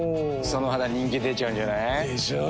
その肌人気出ちゃうんじゃない？でしょう。